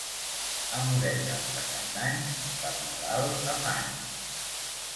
Amoretes de Cap d'Any, per Nadal afany.